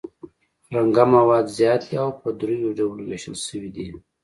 رنګه مواد زیات دي او په دریو ډولو ویشل شوي دي.